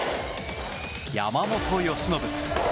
山本由伸。